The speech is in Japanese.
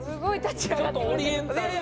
ちょっとオリエンタルな。